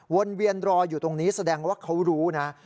เวียนรออยู่ตรงนี้แสดงว่าเขารู้นะ